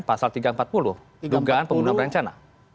pasal tiga ratus empat puluh dugaan pembunuhan berencana